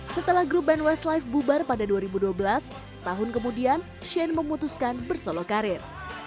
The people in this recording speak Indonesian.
setelah grup band westlife bubar pada dua ribu dua belas setahun kemudian shane memutuskan bersolo karir